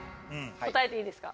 答えていいですか？